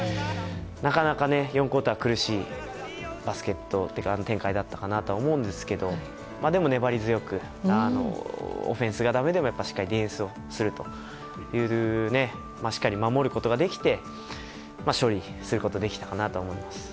なかなか、４クオーターは苦しいバスケットというか展開だったかなと思うんですけどでも、粘り強くオフェンスがだめでもしっかりディフェンスをするということでしっかり守ることができて勝利することができたかなと思います。